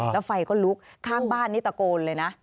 แล้วไฟก็ลุกข้างบ้านนี้ตะโกนเลยนะ